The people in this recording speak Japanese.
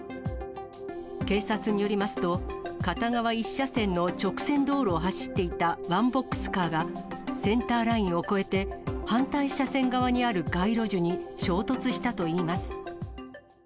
警察によりますと、片側１車線の直線道路を走っていたワンボックスカーが、センターラインを越えて、反対車線側にある街路樹に衝突したといいます。